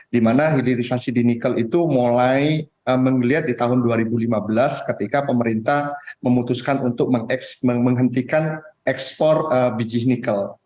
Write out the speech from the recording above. dimana hilirisasi di nikel itu mulai menggeliat di tahun dua ribu lima belas ketika pemerintah memutuskan untuk menghentikan ekspor biji nikel